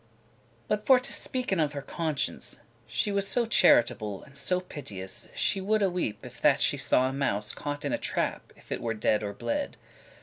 *worthy But for to speaken of her conscience, She was so charitable and so pitous,* *full of pity She woulde weep if that she saw a mouse Caught in a trap, if it were dead or bled.